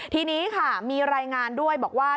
ทีนี้ค่ะมีรายงานด้วยบอกว่า